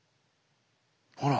ほら。